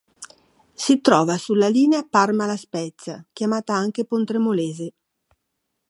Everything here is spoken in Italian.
Si trova sulla linea Parma-La Spezia, chiamata anche Pontremolese.